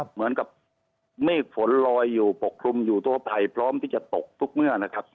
เหมือนกับเมฆฝนลอยอยู่ปกคลุมอยู่ทั่วไทยพร้อมที่จะตกทุกเมื่อนะครับ